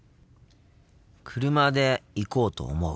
車で行こうと思う。